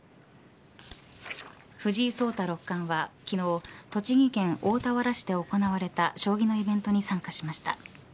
藤井聡太六冠は昨日栃木県大田原市で行われた将棋のイベントに参加しました。